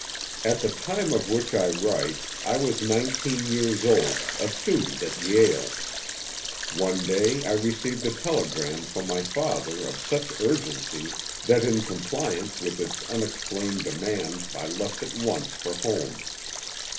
At the time of which I write I was nineteen years old, a student at Yale. One day I received a telegram from my father of such urgency that in compliance with its unexplained demand I left at once for home.